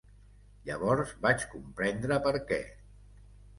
Llavors vaig comprendre per què